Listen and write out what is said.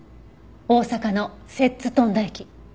大阪の摂津富田駅。